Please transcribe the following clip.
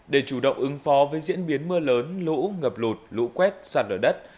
để chủ động ứng phó với diễn biến mưa lớn lũ ngập lụt lũ quét sạt lở đất